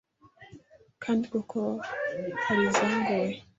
kandi koko hari izangoye